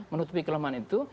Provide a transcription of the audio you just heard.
menutupi kelemahan itu